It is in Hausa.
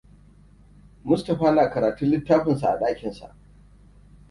Mustaphaa na karatun littafinsa a ɗakinsa.